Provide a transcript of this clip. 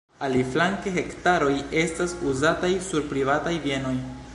Aliflanke hektaroj estas uzataj sur privataj bienoj.